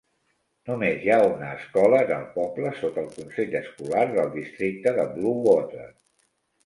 Només hi ha una escola en el poble sota el Consell escolar del districte de Bluewater.